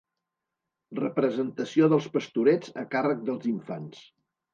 Representació dels pastorets a càrrec dels infants.